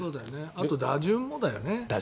あとは打順もだよね。